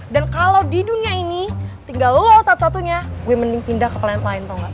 dan kalo di dunia ini tinggal lu satu satunya gue mending pindah ke planet lain tau gak